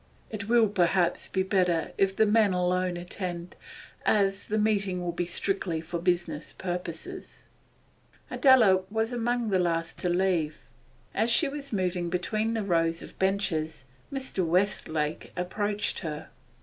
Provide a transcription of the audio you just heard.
It will perhaps be better if the men alone attend, as the meeting will be strictly for business purposes.' Adela was among the last to leave the room. As she was moving between the rows of benches Mr. Westlake approached her.